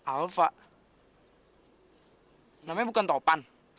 alva namanya bukan topan